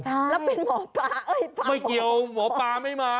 แล้วเป็นหมอปลาเอ้ยไม่เกี่ยวหมอปลาไม่มา